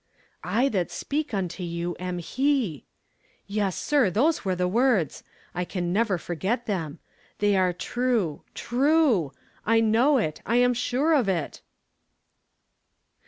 'I that speak unto you am He !' Yes, sir, those were the words ! I can never forget them. They are true, True! I know it ! I am sure of it